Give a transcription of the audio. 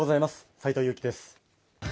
斎藤佑樹です。